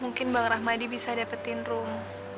mungkin bang rahmadi bisa dapatin rum